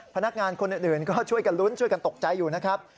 พนักงานคนอื่นก็ช่วยกันลุ้นช่วยกันตกใจอยู่นะครับ